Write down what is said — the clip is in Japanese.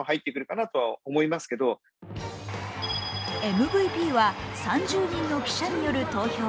ＭＶＰは３０人の記者による投票。